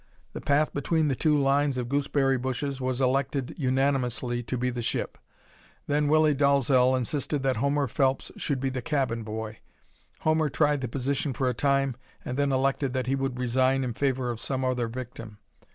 The path between the two lines of gooseberry bushes was elected unanimously to be the ship. Then Willie Dalzel insisted that Homer Phelps should be the cabin boy. Homer tried the position for a time, and then elected that he would resign in favor of some other victim.